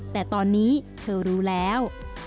แต่ตอนนี้เธอรู้แล้ว